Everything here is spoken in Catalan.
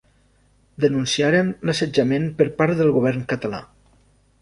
Denunciaren l'assetjament per part del govern català.